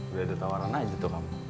gak ada tawaran aja tuh kamu